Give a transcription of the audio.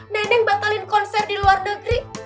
neneng batalin konser di luar negeri